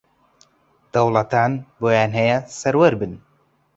دەوڵەتان بۆیان ھەیە سەروەر بن